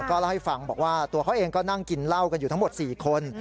ก็เล่าให้ฟังบอกว่าตัวเขาเองก็นั่งกินเหล้ากันอยู่ทั้งหมด๔คน